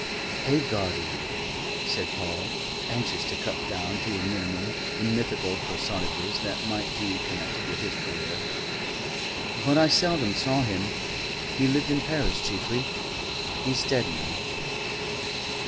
"A guardian," said Paul, anxious to cut down to a minimum the mythical personages that might be connected with his career. "But I seldom saw him. He lived in Paris chiefly. He's dead now."